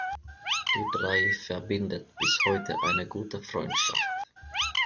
Die drei verbindet bis heute eine gute Freundschaft.